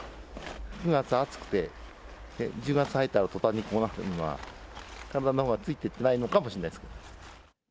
９月暑くて、１０月入ったとたんにこうなってくるのは、体のほうがついていってないのかもしれないです。